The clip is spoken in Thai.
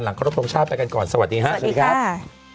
ครบทรงชาติไปกันก่อนสวัสดีครับสวัสดีครับ